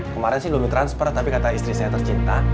kemarin sih belum ditransfer tapi kata istri saya tercinta